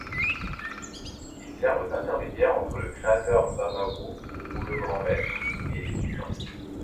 Ils servent d'intermédiaires entre le Créateur mbamawu ou le grand maître et les humains.